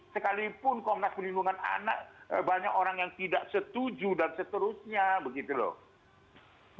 sekalipun komnas perlindungan anak banyak orang yang tidak setuju dan seterusnya begitu loh